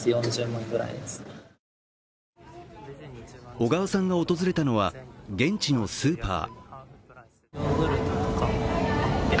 小川さんが訪れたのは現地のスーパー。